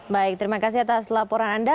baik terima kasih atas laporan anda